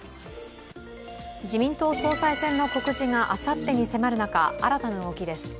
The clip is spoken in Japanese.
自民党総裁選の告示があさってに迫る中、新たな動きです。